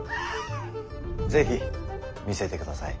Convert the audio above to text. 是非見せてください。